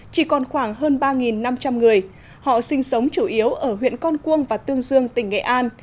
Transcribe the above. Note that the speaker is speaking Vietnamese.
chỉ còn khoảng hơn ba năm trăm linh người họ sinh sống chủ yếu ở huyện con cuông và tương dương tỉnh nghệ an